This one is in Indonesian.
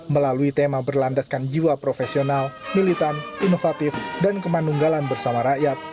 melalui tema berlandaskan jiwa profesional militan inovatif dan kemanunggalan bersama rakyat